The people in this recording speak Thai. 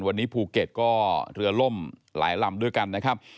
วันนี้ภูเก็ตก็เรือล่มหลายลำด้วยกันนะครับ